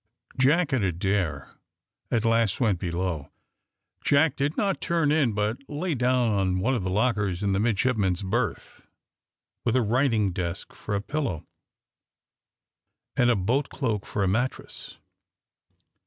Jack and Adair at last went below. Jack did not turn in, but lay down on one of the lockers in the midshipmen's berth, with a writing desk for a pillow, and a boat cloak for a mattress.